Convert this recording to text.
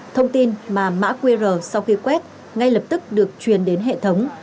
thông tin mà mã qr sau khi quét ngay lập tức được truyền đến hệ thống